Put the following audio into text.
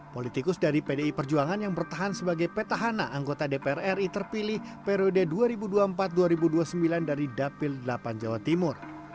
politikus dari pdi perjuangan yang bertahan sebagai petahana anggota dpr ri terpilih periode dua ribu dua puluh empat dua ribu dua puluh sembilan dari dapil delapan jawa timur